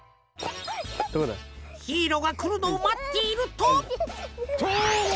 ヒーローがくるのをまっているととう！